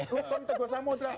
hukum teguh samudera